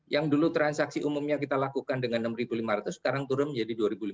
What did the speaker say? yang dulu transaksi umumnya kita lakukan dengan enam lima ratus sekarang turun menjadi dua lima ratus